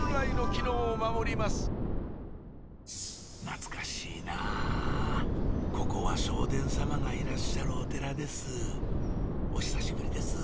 懐かしいなここは聖天様がいらっしゃるお寺ですお久しぶりです